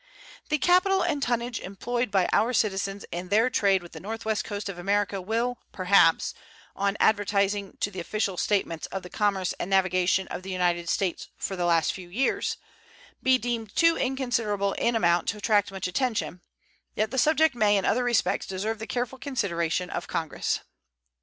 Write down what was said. The capital and tonnage employed by our citizens in their trade with the northwest coast of America will, perhaps, on adverting to the official statements of the commerce and navigation of the United States for the last few years, be deemed too inconsiderable in amount to attract much attention; yet the subject may in other respects deserve the careful consideration of Congress.